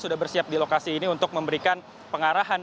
sudah bersiap di lokasi ini untuk memberikan pengarahan